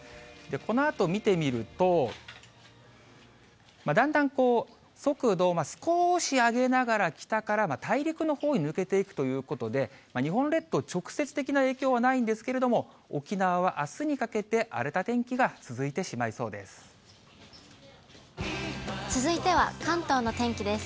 このあと見てみると、だんだんこう、速度を少し上げながら、北から大陸のほうに抜けていくということで、日本列島、直接的な影響はないんですけれども、沖縄はあすにかけて、荒れた天気が続いてしまいそうです。